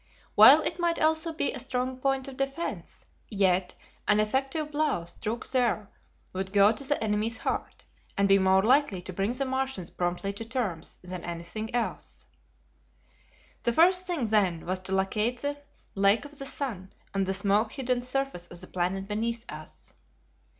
While it might also be a strong point of defence, yet an effective blow struck there would go to the enemy's heart and be more likely to bring the Martians promptly to terms than anything else. The first thing, then, was to locate the Lake of the Sun on the smoke hidden surface of the planet beneath us.